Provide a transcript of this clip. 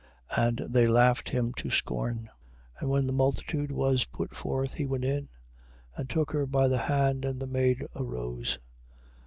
And they laughed him to scorn. 9:25. And when the multitude was put forth, he went in, and took her by the hand. And the maid arose.